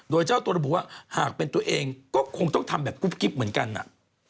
โดยเจ้าตัวระบุว่าหากเป็นตัวเองก็คงต้องทำแบบกุ๊บกิ๊บเหมือนกันอ่ะ